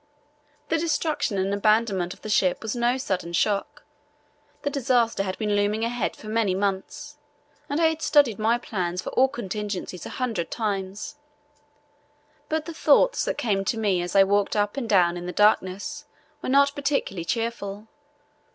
The destruction and abandonment of the ship was no sudden shock. The disaster had been looming ahead for many months, and I had studied my plans for all contingencies a hundred times. But the thoughts that came to me as I walked up and down in the darkness were not particularly cheerful.